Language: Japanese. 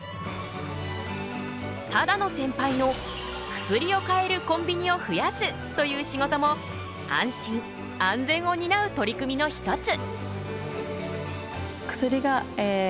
只野センパイの薬を買えるコンビニを増やすという仕事も安心安全を担う取り組みの一つ。